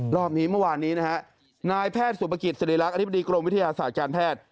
รอบนี้เมื่อวานนี้นะฮะนายแพทย์สุปกิจศิริรักษ์อธิบดีกรมวิทยาศาสตร์การแพทย์